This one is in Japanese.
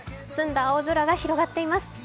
澄んだ青空が広がっています。